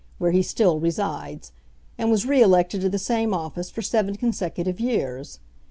(where he still resides,) and was re elected to the same office for seven consecutive years.